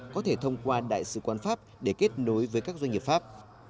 có thể thông qua đại sứ quán pháp để kết nối với các doanh nghiệp pháp